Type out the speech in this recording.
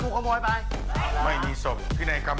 หนูไม่เลิก